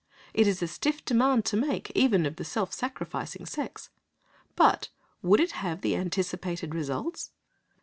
It is a stiff demand to make even of the self sacrificing sex! But would it have the anticipated results?